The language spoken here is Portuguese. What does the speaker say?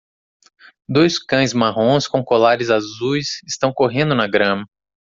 Dois cães marrons com colares azuis estão correndo na grama